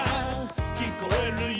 「きこえるよ」